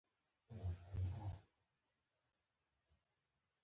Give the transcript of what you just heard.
آیا کاروانسرایونه هوټل شوي نه دي؟